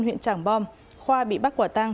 huyện tràng bom khoa bị bắt quả tăng